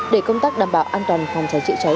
để công tác đảm bảo an toàn phòng cháy chữa cháy